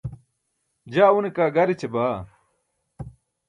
jaa une kaa gar eća baa